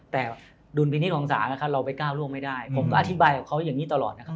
แต่ดุลพินิษฐของศาลนะครับเราไปก้าวล่วงไม่ได้ผมก็อธิบายกับเขาอย่างนี้ตลอดนะครับ